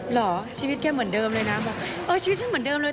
เหรอชีวิตแกเหมือนเดิมเลยนะบอกเออชีวิตฉันเหมือนเดิมเลย